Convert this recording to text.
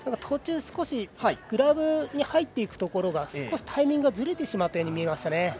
途中、少しグラブに入っていくところで少しタイミングがずれてしまったように見えました。